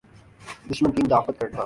دشمن کی مدافعت کرنا۔